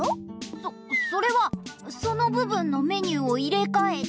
そそれはそのぶぶんのメニューをいれかえて。